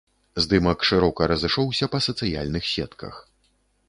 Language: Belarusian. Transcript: Здымак шырока разышоўся па сацыяльных сетках.